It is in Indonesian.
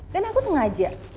dan aku sengaja